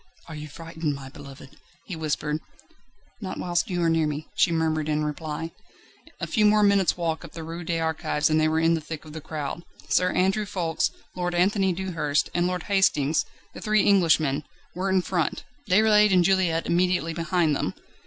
"Are you frightened, my beloved?" he whispered. "Not whilst you are near me," she murmured in reply. A few more minutes' walk up the Rue des Archives and they were in the thick of the crowd. Sir Andrew Ffoulkes, Lord Anthony Dewhurst, and Lord Hastings, the three Englishmen, were in front; Déroulède and Juliette immediately behind them.